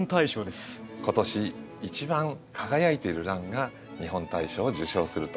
今年一番輝いてるランが日本大賞を受賞すると。